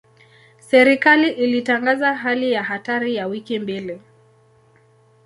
Serikali ilitangaza hali ya hatari ya wiki mbili.